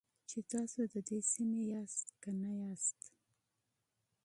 چې تاسو د دې سیمې یاست که نه یاست.